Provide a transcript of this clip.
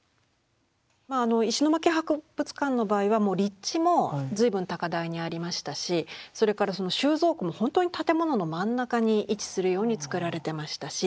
まああの石巻博物館の場合はもう立地も随分高台にありましたしそれからその収蔵庫もほんとに建物の真ん中に位置するように造られてましたし